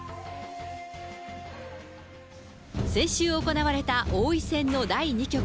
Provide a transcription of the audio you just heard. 先週行われた王位戦の第２局。